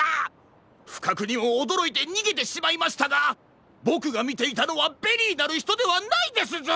ふかくにもおどろいてにげてしまいましたがボクがみていたのはベリーなるひとではないですぞ！